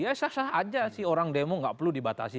ya sah sah aja sih orang demo nggak perlu dibatasi